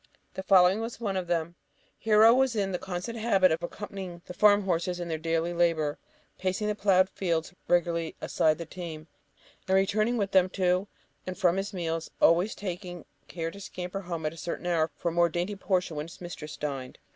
The following was one of them: Hero was in the constant habit of accompanying the farm horses in their daily labour, pacing the ploughed field regularly aside the team, and returning with them to and from his meals, always taking care to scamper home at a certain hour for a more dainty portion when his mistress dined.